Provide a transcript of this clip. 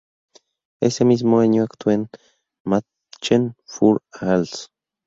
Ese mismo año actuó en "Mädchen für alles".